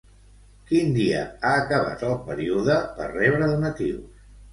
Quin dia ha acabat el període per rebre donatius?